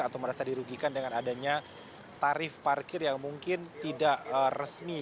atau merasa dirugikan dengan adanya tarif parkir yang mungkin tidak resmi